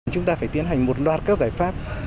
chúng ta phải tiến hành một loạt các giải pháp